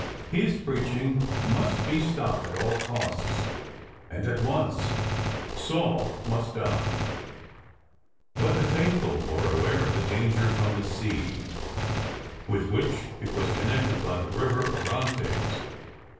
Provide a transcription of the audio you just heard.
His preaching must be stopped at aU costs and at once. Saul must die. But the faithful were Etware of the danger, 30 LIFE OF ST. PAUL from the sea, with which it was connected by the River Orontes.